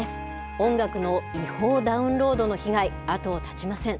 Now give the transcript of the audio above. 音楽の違法ダウンロードの被害後を絶ちません。